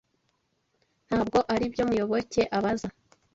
Ntabwo aribyo Muyoboke abaza.